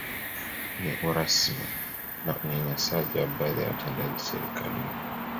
Ni urasimu na unyanyasaji wa baadhi ya watendaji serikalini